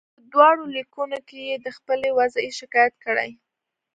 په دواړو لیکونو کې یې د خپلې وضعې شکایت کړی.